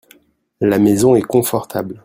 La maison est confortable.